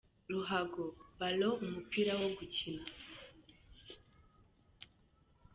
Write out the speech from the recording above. Ruhago : “Ballon” :Umupira wo gukina.